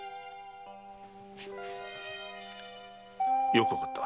よくわかった。